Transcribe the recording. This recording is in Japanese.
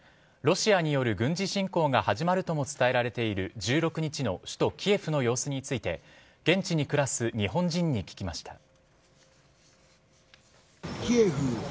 ロシアによる軍事侵攻が始まるとも伝えられている１６日の首都キエフの様子について現地に暮らす日本人に聞きました。